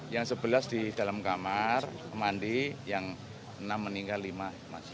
yang sebelas di dalam kamar mandi yang enam meninggal lima masih